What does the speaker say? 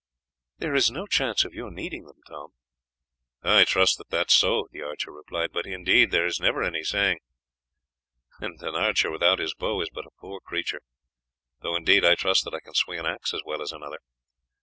"There is no chance of your needing them, Tom." "I trust that it is so," the archer replied; "but, indeed, there is never any saying, and an archer without his bow is but a poor creature, though, indeed, I trust that I can swing an axe as well as another."